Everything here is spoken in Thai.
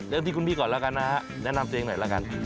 ที่คุณพี่ก่อนแล้วกันนะฮะแนะนำตัวเองหน่อยแล้วกัน